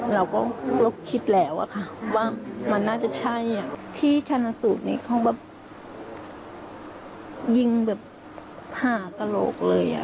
เราก็คิดแล้วว่ามันน่าจะใช่ที่ชาญสูตรนี้เขาแบบยิงแบบห่าตลกเลย